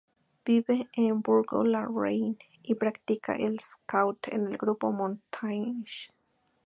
Vive en Bourg-la Reine, y practica el Scout en el Grupo Montaigne.